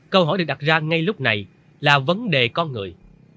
câu hỏi được đặt ra ngay lúc này là vấn đề con người